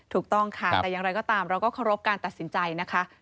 ถูกต้องค่ะแต่อย่างไรก็ตามเราก็เคารพการตัดสินใจนะคะ